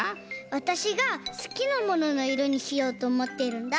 わたしがすきなもののいろにしようとおもってるんだ。